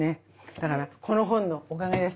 だからこの本のおかげです